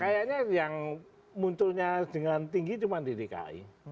kayaknya yang munculnya dengan tinggi cuma di dki